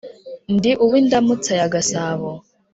Ndi uw'Indamutsa ya Gasabo.